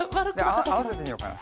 あわせてみようかな。